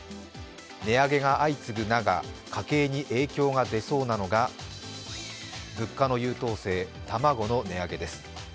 値上げが相次ぐ中、家計に影響が出そうなのが物価の優等生、卵の値上げです。